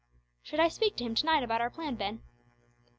"Should I speak to him to night about our plan, Ben?"